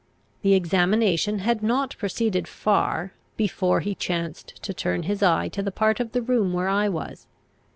The examination had not proceeded far, before he chanced to turn his eye to the part of the room where I was.